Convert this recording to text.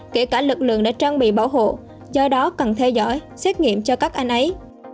kể cả lực lượng đã trang bị bảo hộ do đó cần theo dõi xét nghiệm cho các anh ấy